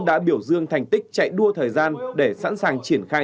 đã biểu dương thành tích chạy đua thời gian để sẵn sàng triển khai